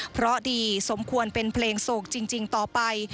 เพราะดีสมควรเป็นเพลงโศกจริงต่อไป